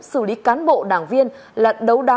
xử lý cán bộ đảng viên là đấu đá